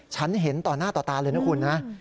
ฉันเห็นต่อหน้าต่อตาเลยนะคุณนะ